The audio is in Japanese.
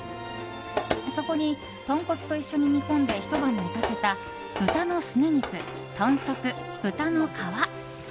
そこに、豚骨と一緒に煮込んでひと晩寝かせた豚のすね肉、豚足、豚の皮。